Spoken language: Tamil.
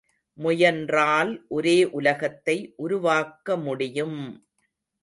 முயன்றால் ஒரே உலகத்தை உருவாக்க முடியும்!